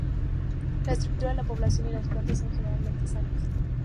La estructura de la población y las plantas son generalmente sanas.